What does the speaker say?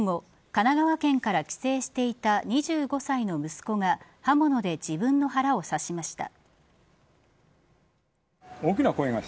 神奈川県から帰省していた２５歳の息子が刃物で自分の腹を刺しました。